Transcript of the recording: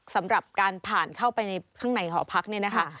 สำหรับการผ่านเข้าไปในข้างในหอพักเนี่ยนะคะ